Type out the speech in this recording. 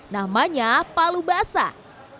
namanya palu basah